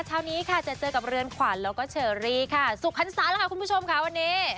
เช้านี้ค่ะจะเจอกับเรือนขวัญแล้วก็เชอรี่ค่ะสุพรรษาแล้วค่ะคุณผู้ชมค่ะวันนี้